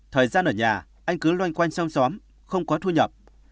thời gian ở nhà anh cứ loanh quanh xong xóm không có thu nhập